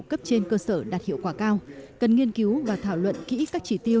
cấp trên cơ sở đạt hiệu quả cao cần nghiên cứu và thảo luận kỹ các chỉ tiêu